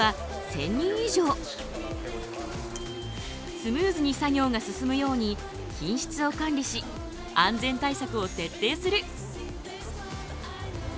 スムーズに作業が進むように品質を管理し安全対策を徹底する。